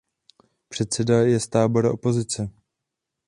Předseda je z tábora opozice.